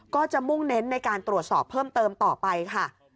ก็จะมุ่งเน้นในการตรวจสอบเพิ่มเติมต่อไปค่ะ